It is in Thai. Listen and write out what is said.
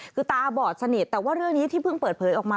คือตาบอดสนิทแต่ว่าเรื่องนี้ที่เพิ่งเปิดเผยออกมา